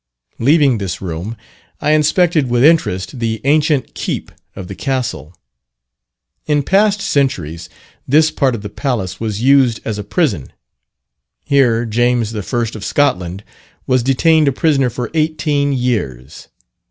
Leaving this room, I inspected with interest the ancient keep of the castle. In past centuries this part of the palace was used as a prison. Here James the First of Scotland was detained a prisoner for eighteen years.